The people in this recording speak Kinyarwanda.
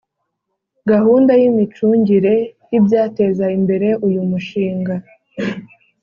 gahunda y’imicungire y ibyateza imbere uyu mushinga,